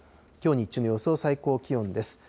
きょう日中の予想最高気温です。